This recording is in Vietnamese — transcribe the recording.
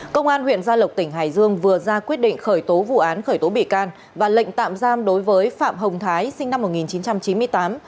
công an huyện gia lộc tỉnh hải dương vừa ra quyết định khởi tố vụ án khởi tố bị can và lệnh tạm giam đối với phạm hồng thái sinh năm một nghìn chín trăm chín mươi tám